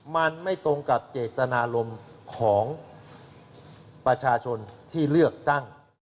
มันไม่ตรงกับเจตนารมณ์ของประชาชนที่เลือกตั้ง